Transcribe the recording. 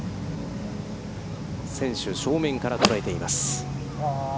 選手正面から捉えています。